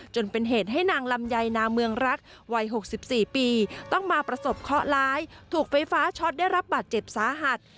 จนเป็นเหตุให้นางลำไยนาเมืองรักวัย๖๔ปีต้องมาประสบเคาะร้ายถูกไฟฟ้าช็อตได้รับบาดเจ็บสาหัส